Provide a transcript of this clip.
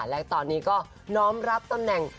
และตอนนี้ก็น้อมรับตำแหน่ง